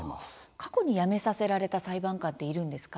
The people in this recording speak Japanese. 過去に辞めさせられた裁判官はいるのでしょうか？